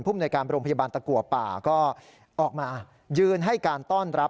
ในการโรงพยาบาลตะกัวป่าก็ออกมายืนให้การต้อนรับ